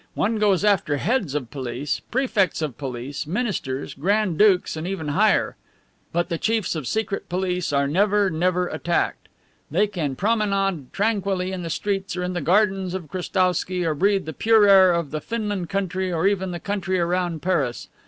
One goes after heads of police, prefects of police, ministers, grand dukes, and even higher, but the chiefs of Secret Police are never, never attacked. They can promenade tranquilly in the streets or in the gardens of Krestowsky or breathe the pure air of the Finland country or even the country around Paris.